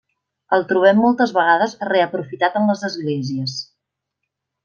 El trobem moltes vegades reaprofitat en les esglésies.